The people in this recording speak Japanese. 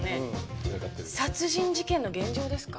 殺人事件の現場ですか？